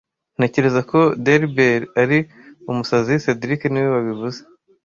Ntekereza ko Delbert ari umusazi cedric niwe wabivuze